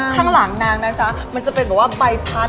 ข้างหลังนางนะจ๊ะมันจะเป็นแบบว่าใบพัด